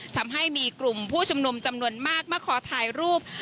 ทำให้มีกลุ่มผู้ชุมนุมจำนวนมากมาขอถ่ายรูป